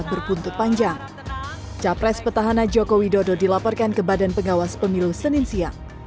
berbuntut panjang capres petahana joko widodo dilaporkan ke badan pengawas pemilu senin siang